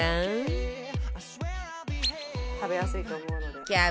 食べやすいと思うので。